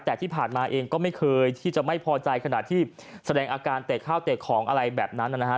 แต่ที่ผ่านมาเองก็ไม่เคยที่จะไม่พอใจขณะที่แสดงอาการเตะข้าวเตะของอะไรแบบนั้นนะฮะ